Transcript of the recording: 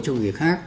cho người khác